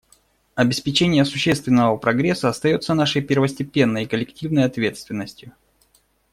Обеспечение существенного прогресса остается нашей первостепенной и коллективной ответственностью.